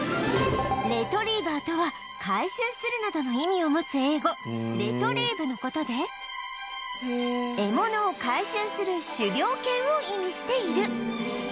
「レトリーバー」とは回収するなどの意味を持つ英語「レトリーブ」の事で獲物を回収する狩猟犬を意味している